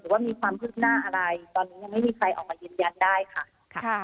ว่ามีความคืบหน้าอะไรตอนนี้ยังไม่มีใครออกมายืนยันได้ค่ะ